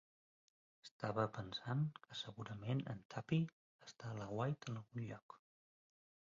Estava pensant que segurament en Tuppy està a l'aguait en algun lloc.